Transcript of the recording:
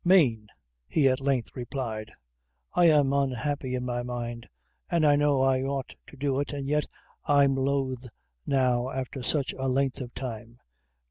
"Mane!" he at length replied; "I am unhappy in my mind, an' I know I ought to do it, an' yet I'm loth now after sich a length of time.